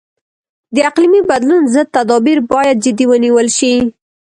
د اقلیمي بدلون ضد تدابیر باید جدي ونیول شي.